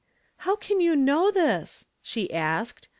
" How can you know this?" she asked.